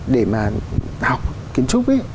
để mà học kiến trúc ấy